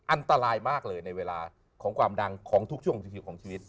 อันตรายมากเลยในเวลาของความดังของทุกช่วงของชีวิต